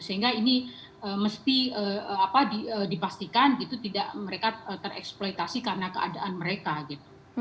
sehingga ini mesti dipastikan gitu tidak mereka tereksploitasi karena keadaan mereka gitu